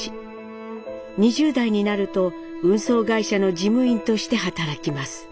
２０代になると運送会社の事務員として働きます。